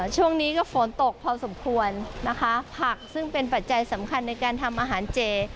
ช่วงนี้ก็ฝนตกพอสมควรนะคะผักซึ่งเป็นปัจจัยสำคัญในการทำอาหารเจ